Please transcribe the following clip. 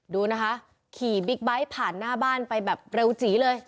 ดูนะคะขี่บิ๊กไบท์ผ่านหน้าบ้านไปแบบเร็วจีเลย